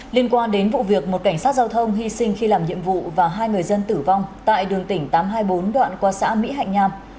liên quan đến vụ việc một cảnh sát giao thông hy sinh khi làm nhiệm vụ và hai người dân tử vong tại đường tỉnh tám trăm hai mươi bốn đoạn qua xã mỹ hạnh nham